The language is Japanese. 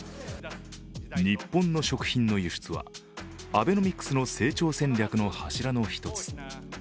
日本の食品の輸出はアベノミクスの成長戦略の柱の１つ。